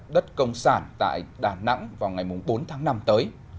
đất công sản tại đà nẵng vào ngày bốn tháng năm tới